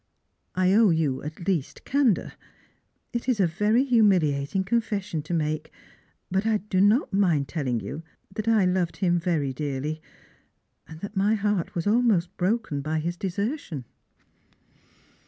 I owe you at least candour. It is a very humiliating confession to make; but I do not mind telhng you that I loved him very dearly, and that my heart was almost broken by his deser tion."